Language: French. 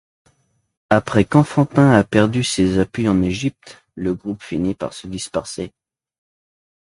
Après qu’Enfantin a perdu ses appuis en Égypte, le groupe finit par se disperser.